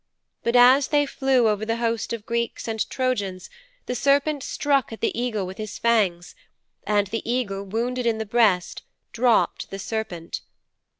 But as they flew over the host of Greeks and Trojans the serpent struck at the eagle with his fangs, and the eagle, wounded in the breast, dropped the serpent.